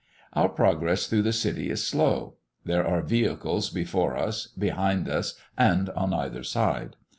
Our progress through the city is slow. There are vehicles before us, behind us, and on either side.